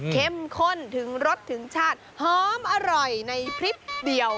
เข้มข้นถึงรสถึงชาติหอมอร่อยในพริบเดียว